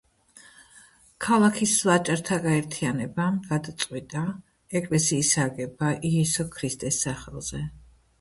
ქალაქის ვაჭართა გაერთიანებამ გადაწყვიტა ეკლესიის აგება იესო ქრისტეს სახელზე.